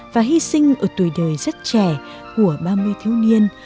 và hy sinh ở tuổi đời rất trẻ của ba mươi thiếu niên